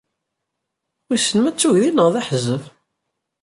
wissen ma d tuggdi neɣ d aḥezzeb?